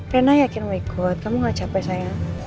reina yakin mau ikut kamu gak capek sayang